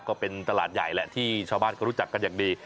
ก็เป็นตลาดใหญ่แหละที่ชาวบ้านก็รู้จักกันอย่างดี